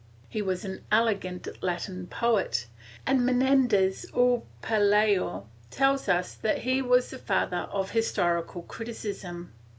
He was an elegant Latin poet, and Menendez y Pelayo tells us that he was the father of historical criticism.